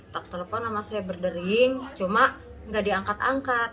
tak telepon sama saya berdering cuma nggak diangkat angkat